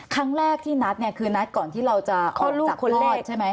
ครั้งแรกที่นัดเนี่ยคือนัดก่อนที่เราจะคลอดใช่ไหม